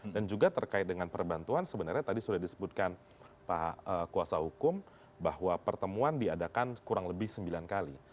dan juga terkait dengan perbantuan sebenarnya tadi sudah disebutkan pak kuasa hukum bahwa pertemuan diadakan kurang lebih sembilan kali